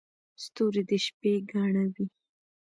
• ستوري د شپې ګاڼه وي.